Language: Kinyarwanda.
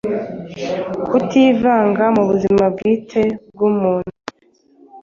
Kutivanga mu buzima bwite bw’umuntu.